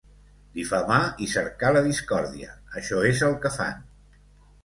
Difamar i cercar la discòrdia, això és el que fan.